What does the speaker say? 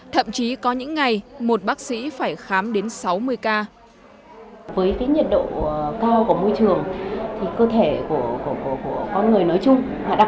thậm chí có những ngày một bác sĩ phải khám đến sáu mươi ca